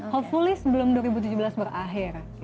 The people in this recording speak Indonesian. hotfully sebelum dua ribu tujuh belas berakhir